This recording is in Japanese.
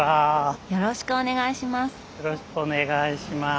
よろしくお願いします。